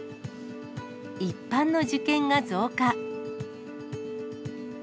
一般の受験が増加。